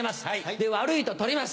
で悪いと取ります。